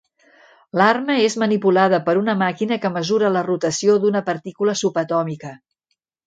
L'arma és manipulada per una màquina que mesura la rotació d'una partícula subatòmica.